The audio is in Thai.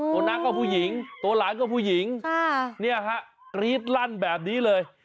ตัวน้าก็ผู้หญิงตัวหลานก็ผู้หญิงเนี่ยฮะกรี๊ดลั่นแบบนี้เลย